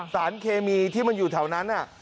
สารเคมีที่มันอยู่แถวนั้น